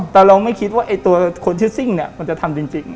แต่เราไม่คิดว่าไอ้ตัวคนชื่อซิ่งเนี่ยมันจะทำจริง